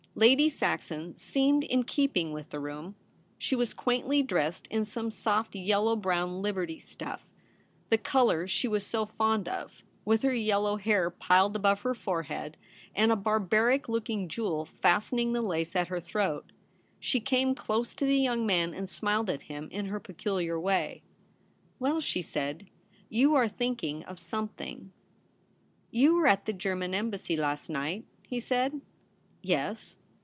Lady Saxon seemed In keeping with the room ; she MARTS RECEPTION. 253 was quaintly dressed in some soft yellow brown Liberty stuff — the colour she was so fond of, with her yellow hair piled above her forehead, and a barbaric looking jewel fasten ing the lace at her throat. She came close to the young man and smiled at him in her peculiar way. ' Well/ she said, ^ you are thinking of something.' *You were at the German Embassy last night ?' he said. 'Yes.'